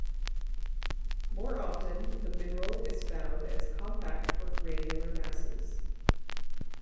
More often the mineral is found as compact or granular masses.